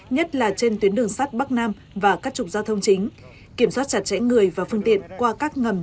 nhất là trên tuyến đường sắt bắc nam và các trục giao thông chính kiểm soát chặt chẽ người và phương tiện qua các ngầm